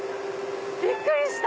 びっくりした！